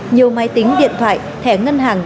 nhiều máy tính điện thoại thẻ ngân hàng